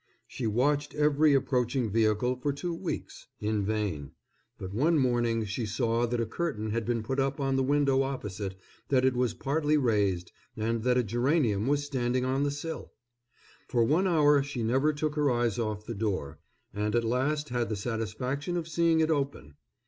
She watched every approaching vehicle for two weeks in vain; but one morning she saw that a curtain had been put up on the window opposite, that it was partly raised, and that a geranium was standing on the sill. For one hour she never took her eyes off the door, and at last had the satisfaction of seeing it open.